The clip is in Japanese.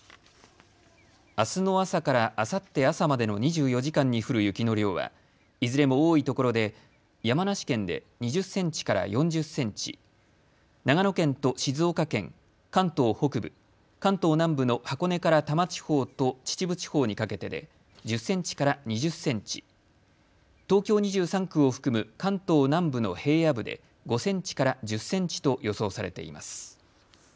あすの朝からあさって朝までの２４時間に降る雪の量はいずれも多いところで山梨県で２０センチから４０センチ、長野県と静岡県、関東北部、関東南部の箱根から多摩地方と秩父地方にかけてで１０センチから２０センチ、東京２３区を含む関東南部の平野部で５センチから１０センチと予想されています。